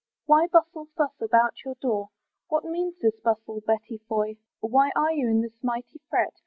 Why bustle thus about your door, What means this bustle, Betty Foy? Why are you in this mighty fret?